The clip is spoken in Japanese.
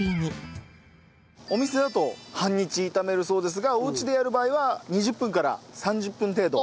お店だと半日炒めるそうですがおうちでやる場合は２０分から３０分程度。